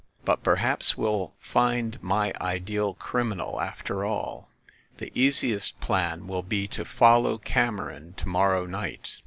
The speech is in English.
But perhaps we'll find my ideal criminal after all. The easiest plan will be to follow Cameron to morrow night.